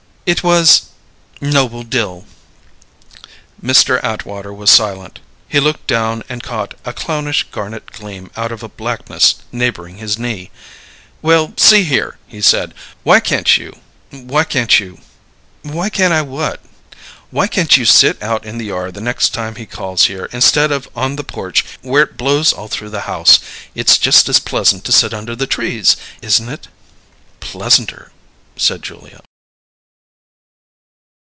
"It was Noble Dill." Mr. Atwater was silent; he looked down and caught a clownish garnet gleam out of a blackness neighbouring his knee. "Well, see here," he said. "Why can't you why can't you " "Why can't I what?" "Why can't you sit out in the yard the next time he calls here, instead of on the porch where it blows all through the house? It's just as pleasant to sit under the trees, isn't it?" "Pleasanter," said Julia.